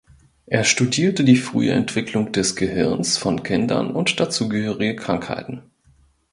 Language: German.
Er studierte die frühe Entwicklung des Gehirns von Kindern und dazugehörige Krankheiten.